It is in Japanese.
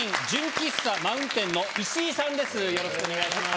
よろしくお願いします。